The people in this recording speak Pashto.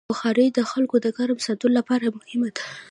بخاري د خلکو د ګرم ساتلو لپاره مهمه ده.